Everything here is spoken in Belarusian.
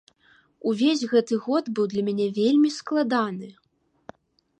Увесь гэты год быў для мяне вельмі складаны.